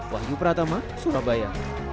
wahyu pratama surabaya